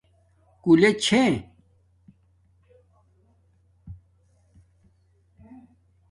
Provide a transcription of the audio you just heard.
کولے چھے